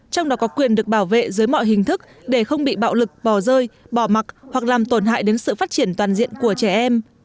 trong đó có quyền được bảo vệ dưới mọi hình thức để không bị bạo lực bỏ rơi bỏ mặc hoặc làm tổn hại đến sự phát triển toàn diện của trẻ em